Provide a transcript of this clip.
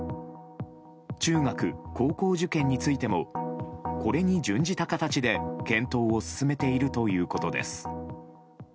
中学・高校受験についてもこれに準じた形で検討を進めているということです。